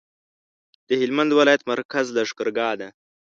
د هلمند ولایت مرکز لښکرګاه ده